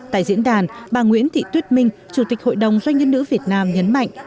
tại diễn đàn bà nguyễn thị tuyết minh chủ tịch hội đồng doanh nhân nữ việt nam nhấn mạnh